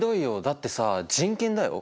だってさ人権だよ。